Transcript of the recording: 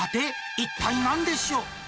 一体なんでしょう？